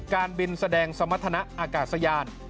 การบินแสดงสมรรถนะอากาศยาน